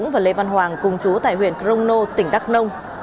và hoàng cùng chú tải huyện crong nô tỉnh đắk nông